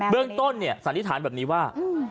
เบิร์นต้นเนี่ยสันนิษฐานแบบนี้ว่า